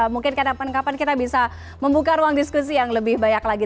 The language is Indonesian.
mungkin kapan kapan kita bisa membuka ruang diskusi yang lebih banyak lagi